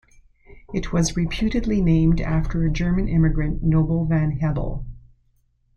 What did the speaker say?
It was reputedly named after a German immigrant Noble Van Hebel.